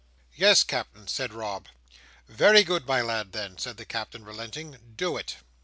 "Yes, Captain," said Rob. "Very good my lad, then," said the Captain, relenting. "Do it!"